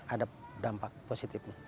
ada dampak positif